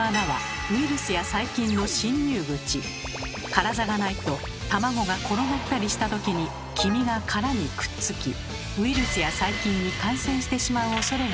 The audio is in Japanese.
カラザがないと卵が転がったりしたときに黄身が殻にくっつきウイルスや細菌に感染してしまうおそれがあるのです。